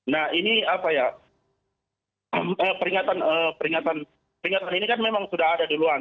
nah ini apa ya peringatan ini kan memang sudah ada duluan